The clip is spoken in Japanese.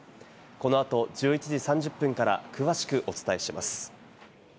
この後、１１時３０分から詳しくお伝えします。